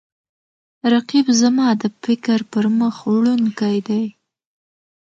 رقیب زما د فکر پرمخ وړونکی دی